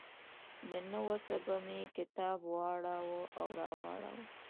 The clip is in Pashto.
له نه وسه به مې کتاب واړاوه او راواړاوه.